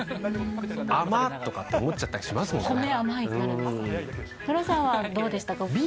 あまっとかって思っちゃったりしますもんね。